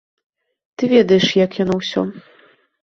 Ты ведаеш, як яно ўсё.